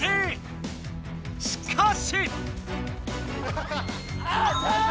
しかし。